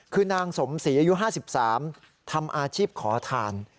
คือนางสมศรีอายุ๕๓ทำอาชีพขอทาน